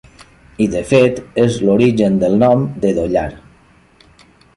I de fet és l'origen del nom de Dollar.